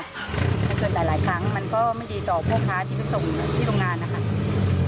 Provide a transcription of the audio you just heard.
ถ้าเกิดหลายครั้งมันก็ไม่ดีต่อพ่อค้าที่ไปส่งที่โรงงานนะคะ